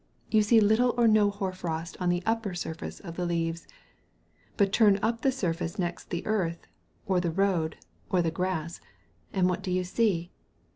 You see little or no hoar frost on the upper surface of the leaves. But turn up the surface next the earth, or the road, or the grass, and what do you see?